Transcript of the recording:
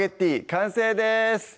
完成です